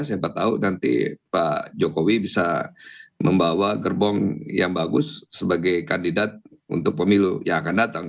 siapa tahu nanti pak jokowi bisa membawa gerbong yang bagus sebagai kandidat untuk pemilu yang akan datang